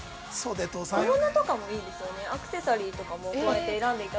◆小物とかもいいですよね。